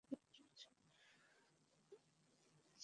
আমাকে বলা হয়েছে আপনি দেখা করতে চান।